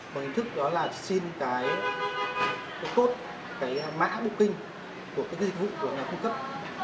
một hình thức đó là xin cái cốt cái mã booking của cái dịch vụ của ngày cung cấp